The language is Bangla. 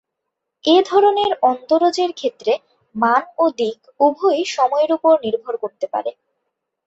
এ ধরনের অন্তরজের ক্ষেত্রে মান ও দিক উভয়ই সময়ের উপর নির্ভর করতে পারে।